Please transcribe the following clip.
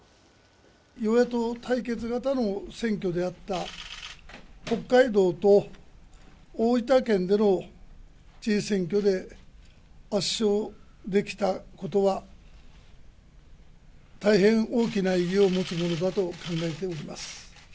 与野党対決型の選挙であった、北海道と大分県での知事選挙で圧勝できたことは、大変大きな意義を持つものだと考えております。